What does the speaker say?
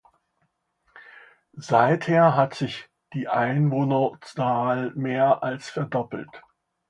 Seither hat sich die Einwohnerzahl mehr als verdoppelt.